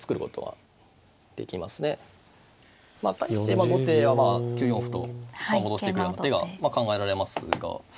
対して後手はまあ９四歩と戻してくるような手が考えられますが。